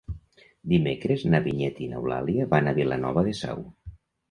Dimecres na Vinyet i n'Eulàlia van a Vilanova de Sau.